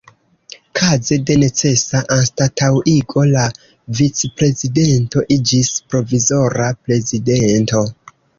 Kaze de necesa anstataŭigo la Vicprezidento iĝis Provizora Prezidento.